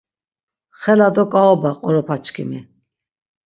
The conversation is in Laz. Xela do ǩaoba qoropaçkimi.